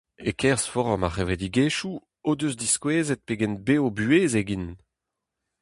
E-kerzh forom ar c'hevredigezhioù o deus diskouezet pegen bev-buhezek int.